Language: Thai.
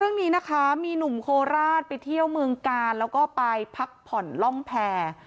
เรื่องนี้นะคะมีหนุ่มโคราชไปเที่ยวเมืองกาลแล้วก็ไปพักผ่อนล่องแพร่